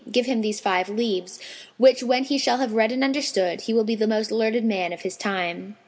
'' give him these five leaves, which when he shall have read and understood, he will be the most learned man of his time."